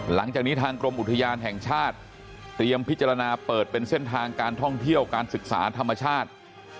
หลังจากนี้ทางกรมอุทยานแห่งชาติเตรียมพิจารณาเปิดเป็นเส้นทางการท่องเที่ยวการศึกษาธรรมชาติ